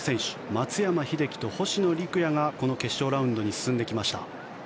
松山英樹と星野陸也がこの決勝ラウンドに進んできました。